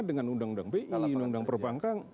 dengan undang undang bi undang undang perbankan